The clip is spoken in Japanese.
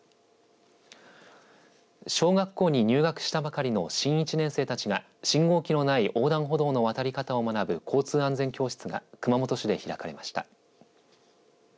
小学校に入学したばかりの新１年生たちが信号機のない横断歩道の渡り方を学ぶ交通安全教室が熊本市で開かれました。